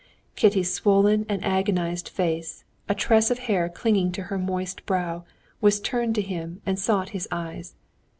Kitty's swollen and agonized face, a tress of hair clinging to her moist brow, was turned to him and sought his eyes.